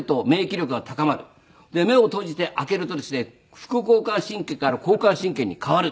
目を閉じて開けるとですね副交感神経から交感神経に変わる。